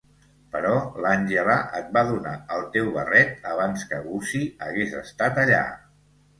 Però l'Àngela et va donar el teu barret abans que Gussie hagués estat allà.